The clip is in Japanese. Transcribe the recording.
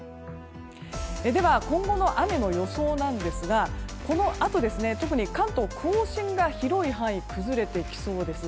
では、今後の雨の予想なんですがこのあと、特に関東・甲信が広い範囲で崩れてきそうです。